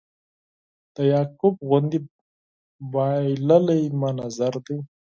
د یعقوب غوندې بایللی مې نظر دی